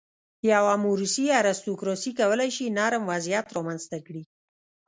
یوه موروثي ارستوکراسي کولای شي نرم وضعیت رامنځته کړي.